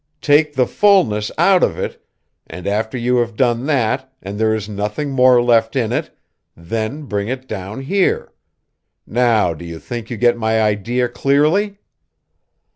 Take the fullness out of it, and after you have done that and there is nothing more left in it, then bring it down here. Now do you think you get my idea clearly?"